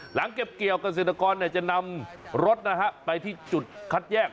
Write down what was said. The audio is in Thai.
หลังเก็บเกี่ยวเกษตรกรจะนำรถไปที่จุดคัดแยก